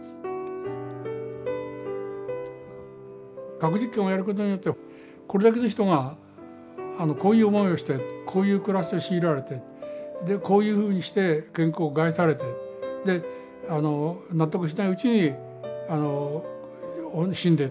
核実験をやることによってこれだけの人がこういう思いをしてこういう暮らしを強いられてこういうふうにして健康を害されてであの納得しないうちに死んでいった。